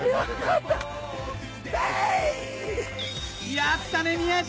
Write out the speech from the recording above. やったね宮治！